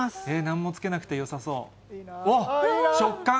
何もつけなくてよさそう。